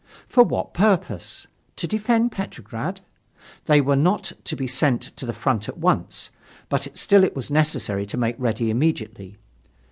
For what purpose? To defend Petrograd. They were not to be sent to the front at once, but still it was necessary to make ready immediately.